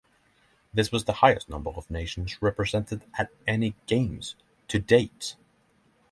This was the highest number of nations represented at any Games to date.